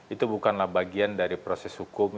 itu bukanlah bagian dari proses hukum